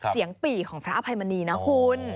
ปี่ของพระอภัยมณีนะคุณ